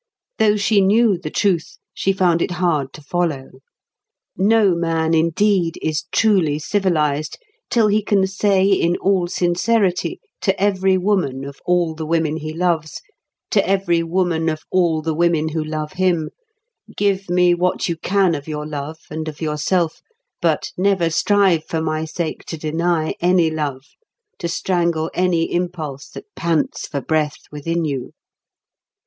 Though she knew the truth, she found it hard to follow. No man indeed is truly civilised till he can say in all sincerity to every woman of all the women he loves, to every woman of all the women who love him, "Give me what you can of your love and of yourself; but never strive for my sake to deny any love, to strangle any impulse that pants for breath within you.